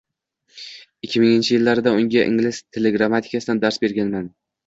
ikki minginchi yillarda unga ingliz tili grammatikasidan dars berganman.